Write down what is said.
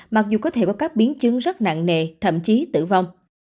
mặc dù có thể có các biến chứng rất nặng nề thậm chí tử vong